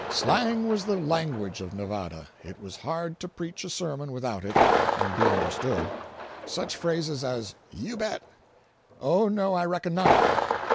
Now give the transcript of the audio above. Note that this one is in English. Slang was the language of Nevada. It was hard to preach a sermon without it, and be understood. Such phrases as "You bet!" "Oh, no, I reckon not!"